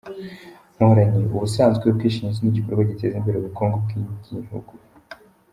Mporanyi: Ubusanzwe, ubwishingizi ni igikorwa giteza imbere ubukungu bw’ingihugu.